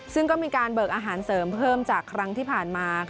ซึ่งก็มีการเบิกอาหารเสริมเพิ่มจากครั้งที่ผ่านมา